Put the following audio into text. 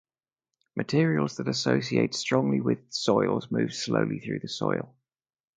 Materials that associate strongly with soils move slowly through soil.